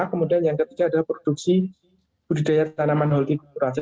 kemudian yang ketiga adalah produksi budaya tanaman hoki